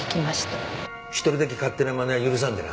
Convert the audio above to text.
１人だけ勝手なまねは許さんでな。